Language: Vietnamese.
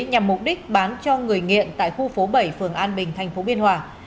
nhằm mục đích bán cho người nghiện tại khu phố bảy phường an bình thành phố biên hòa